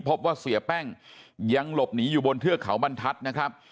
พบว่าเสียแป้งยังหลบหนีอยู่บนเทือกเขาบรรทัศน์นะครับ